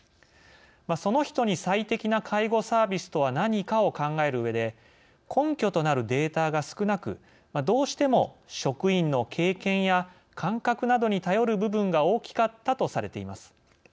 その人に最適な介護サービスとは何かを考えるうえで根拠となるデータが少なくどうしても職員の経験や感覚などに頼る部分が大きかったとされています。